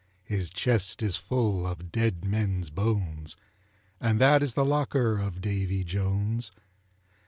His chest is full of dead men's bones, And that is the locker of Davy Jones.